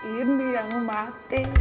ini yang mati bang